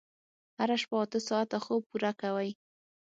هره شپه اته ساعته خوب پوره کوئ.